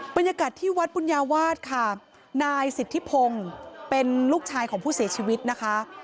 บรรยากาศที่วัดปุญญาวาสค่ะนายสิทธิพงศ์เป็นลูกชายของผู้เสียชีวิตนะคะ